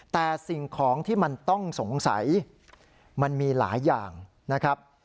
แต่สิ่งของที่มันต้องสงสัยมันมีหลายอย่างนะครับ